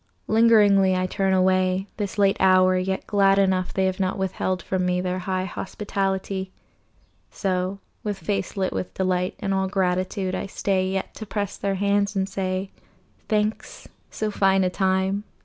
Lingeringly I turn away, This late hour, yet glad enough They have not withheld from me Their high hospitality. So, with face lit with delight And all gratitude, I stay Yet to press their hands and say, "Thanks. So fine a time